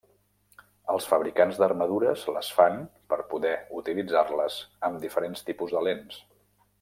Els fabricants d'armadures les fan per poder utilitzar-les amb diferents tipus de lents.